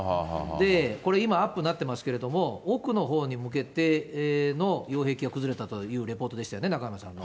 これ今、アップになってますけれども、奥のほうに向けての擁壁が崩れたというレポートでしたよね、中山さんの。